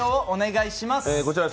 お願いします。